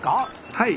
はい。